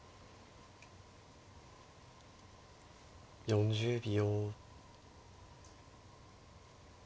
４０秒。